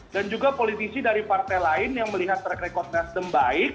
dan juga politisi dari partai lain yang melihat rekod nasdem baik